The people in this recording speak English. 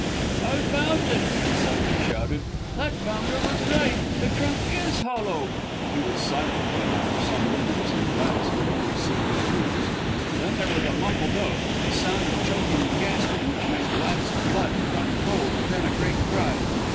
"I've found it," he suddenly shouted. "That bounder was right, the trunk is hollow." He was silent then, for some minutes, and Gladys could only see his boots. Then there was a muffled oath, a sound of choking and gasping, which made Gladys's blood run cold, and then a great cry.